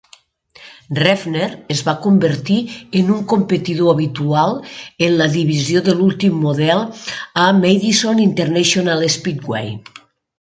Reffner es va convertir en un competidor habitual en la divisió de l'últim model a Madison International Speedway.